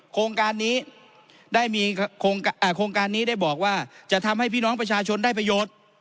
โครงการนี้ได้บอกว่าจะทำให้พี่น้องประชาชนได้ประโยชน์